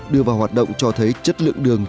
đưa vào hoạt động cho thấy chất lượng đường